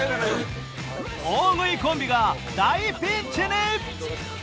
大食いコンビが大ピンチに！